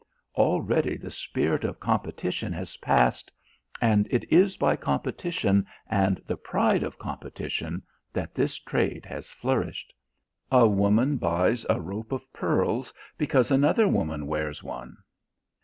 Already the spirit of competition has passed, and it is by competition and the pride of competition that this trade has flourished. A woman buys a rope of pearls because another woman wears one.